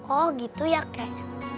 oh gitu ya kek